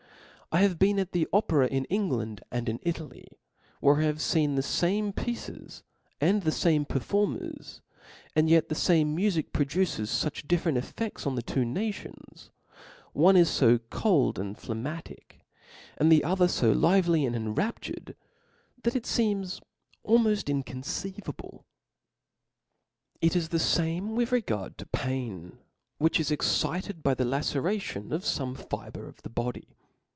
I have been at the opera in England and in Italy ; where I have feen the fame pieces and the fame performers : and yet the fame mufic produces fuch diff^erent efFedls on the two nations ; one is fo cold and phliegmatic, and the other fo lively and enraptured, that it feems almoft inconceivable. It is the fame with regard to pain ; which is excited by the laceration of fome fibre of the body.